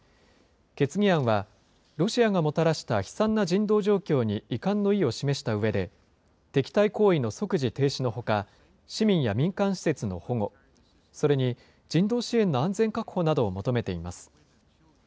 決議案は、ロシアがもたらした悲惨な人道状況に遺憾の意を示したうえで、敵対行為の即時停止のほか、市民や民間施設の保護、それに人道支援の安全確保などを求めています。